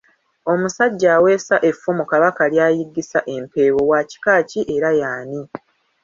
Omusajja aweesa effumu Kabaka lyayiggisa empeewo wa kika ki era y'ani?